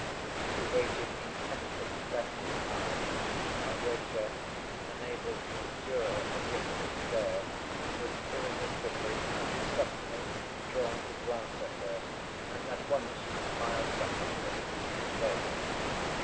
She waited intently to catch his eye. Alyosha, unable to endure her persistent stare, was irresistibly and suddenly drawn to glance at her, and at once she smiled triumphantly in his face.